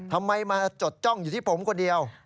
ทำไมมาจดจ้องอยู่ที่ผมคนเดียว